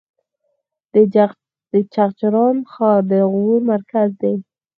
د چغچران ښار د غور مرکز دی